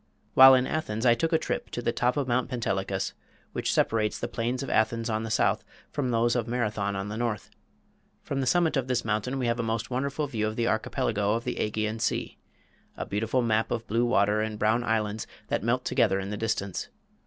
While in Athens I took a trip to the top of Mount Pentelicus, which separates the plains of Athens on the south from those of Marathon on the north. From the summit of this mountain we have a most wonderful view of the archipelago of the Ægean Sea a beautiful map of blue water and brown islands that melt together in the distance.